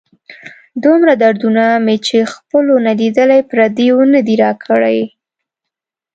دومره دردونه مې چې خپلو نه لیدلي، پردیو نه دي را کړي.